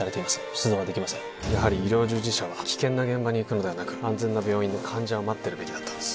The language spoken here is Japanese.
出動はできませんやはり医療従事者は危険な現場に行くのではなく安全な病院で患者を待ってるべきだったんです